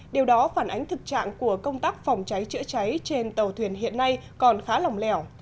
điều đó phản ánh thực trạng của công tác phòng cháy chữa cháy trên tàu thuyền hiện nay còn khá lỏng lẻo